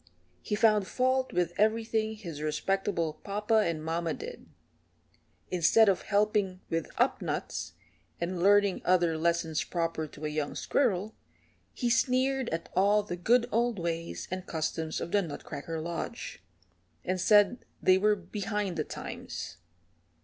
He found fault with everything his respectable papa and mama did. Instead of helping with up nuts and learning other lessons proper to a young squirrel, he sneered at all the good old ways and customs of the Nutcracker Lodge, and said they were behind the times.